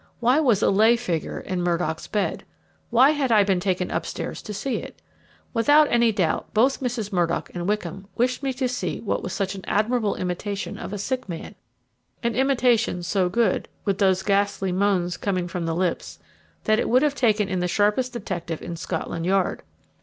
Why was a lay figure in Murdock's bed? Why had I been taken upstairs to see it? Without any doubt both Mrs. Murdock and Wickham wished me to see what was such an admirable imitation of a sick man an imitation so good, with those ghastly moans coming from the lips, that it would have taken in the sharpest detective in Scotland Yard.